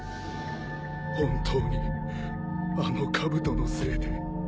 本当にあのかぶとのせいで。